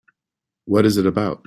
What is it about?